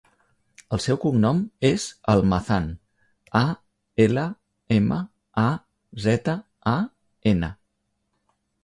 El seu cognom és Almazan: a, ela, ema, a, zeta, a, ena.